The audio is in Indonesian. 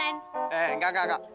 hei enggak enggak enggak